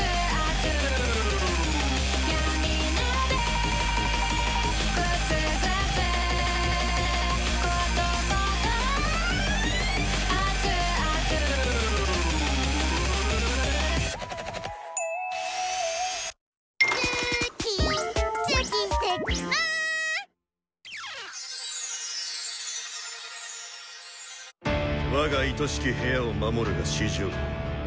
我が愛しき部屋を守るが至上命の盟約。